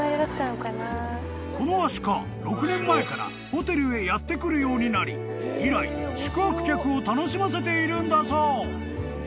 ［このアシカ６年前からホテルへやって来るようになり以来宿泊客を楽しませているんだそう］